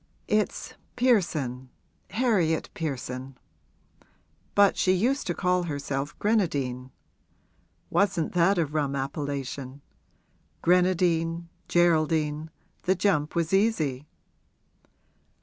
'It's Pearson Harriet Pearson; but she used to call herself Grenadine wasn't that a rum appellation? Grenadine Geraldine the jump was easy.'